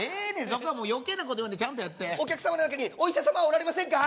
そこはもう余計なこと言わんでちゃんとやってお客様の中にお医者様はおられませんか？